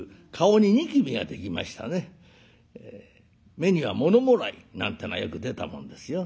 目には物もらいなんてのはよく出たもんですよ。